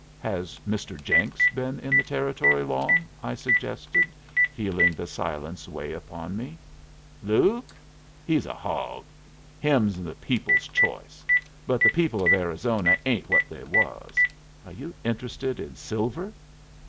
"Has Mr. Jenks been in the Territory long?" I suggested, feeling the silence weigh upon me. "Luke? He's a hog. Him the people's choice! But the people of Arizona ain't what they was. Are you interested in silver?"